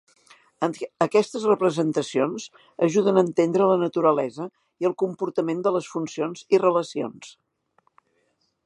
Aquestes representacions ajuden a entendre la naturalesa i el comportament de les funcions i relacions.